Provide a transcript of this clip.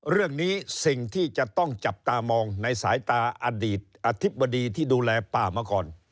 เรื่องนี้สิ่งที่จะต้องจับตามองในสายตาอดีตอธิบดีที่ดูแลป่ามาก่อน